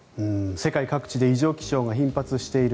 世界各地で異常気象が頻発している。